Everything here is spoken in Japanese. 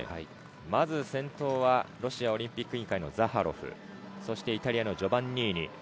まず先頭はロシアオリンピック委員会のザハロフ、そしてイタリアのジョバンニーニ。